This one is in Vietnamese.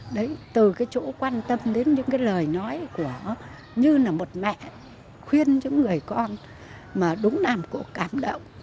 đấy từ cái chỗ quan tâm đến những cái lời nói của như là một mẹ khuyên những người con mà đúng làm cô cảm động